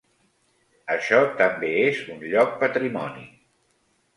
Això també és un lloc patrimoni.